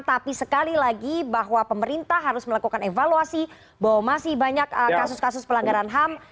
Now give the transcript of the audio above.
tapi sekali lagi bahwa pemerintah harus melakukan evaluasi bahwa masih banyak kasus kasus pelanggaran ham